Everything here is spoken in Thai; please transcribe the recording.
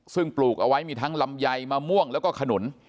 ซึ่งปลูกเอาไว้มีทั้งลำไยมะม่วงแล้วก็ขนุน